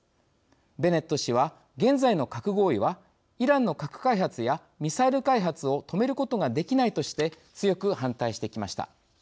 ベネット氏は、現在の核合意はイランの核開発やミサイル開発を止めることができないとして強く反対してきました。